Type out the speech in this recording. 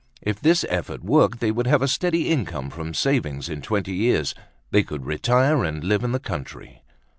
If this effort worked, they would have a steady income from savings in twenty years. They could retire and live in the country.